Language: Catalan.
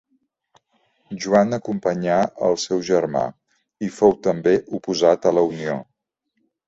Joan acompanyà al seu germà i fou també oposat a la unió.